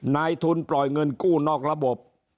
นายทุนปล่อยเงินกู้นอกระบบ